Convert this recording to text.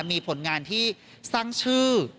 มีผลงานที่สร้างชื่อ